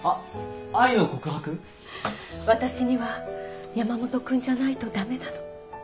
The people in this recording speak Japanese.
私には山本君じゃないと駄目なの。